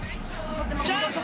チャンス！